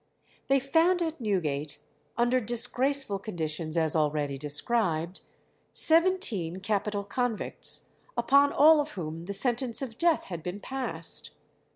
They found at Newgate, under disgraceful conditions as already described, seventeen capital convicts, upon all of whom the sentence of death had been passed.